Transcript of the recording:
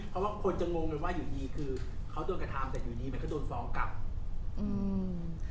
เพราะว่าคนจะงงกันว่าอยู่ดีคือเขาโดนกระทำแต่อยู่ดีมันก็โดนฟ้องกลับอืม